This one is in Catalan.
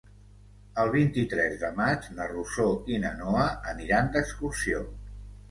El vint-i-tres de maig na Rosó i na Noa aniran d'excursió.